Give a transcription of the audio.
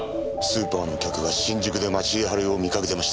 スーパーの客が新宿で町井春枝を見かけてました。